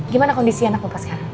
gimana kondisi anak bupaskan